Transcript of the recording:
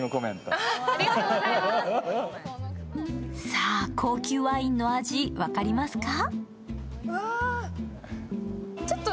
さあ、高級ワインの味分かりますか？